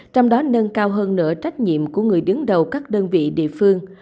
trong đó nâng cao hơn nữa trách nhiệm của người đứng đầu các đơn vị địa phương